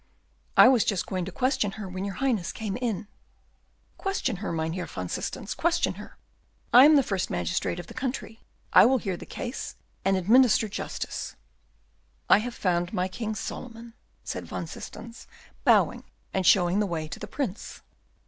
"I was just going to question her when your Highness came in." "Question her, Mynheer van Systens, question her. I am the first magistrate of the country; I will hear the case and administer justice." "I have found my King Solomon," said Van Systens, bowing, and showing the way to the Prince.